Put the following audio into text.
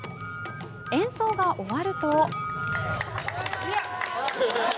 演奏が終わると。